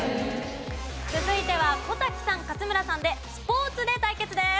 続いては小瀧さん勝村さんでスポーツで対決です。